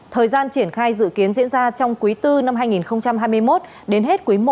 thời gian triển khai dự kiến diễn ra trong quý bốn năm hai nghìn hai mươi một đến hết quý một năm hai nghìn hai mươi hai